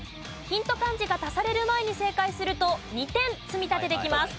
ヒント漢字が足される前に正解すると２点積み立てできます。